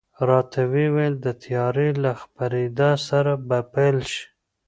راته وې ویل، د تیارې له خپرېدا سره به پیل شي.